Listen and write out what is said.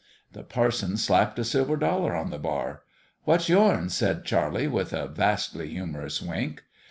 The parson slapped a silver dollar on the bar. "What's yourn?" said Charlie, with a vastly humorous wink.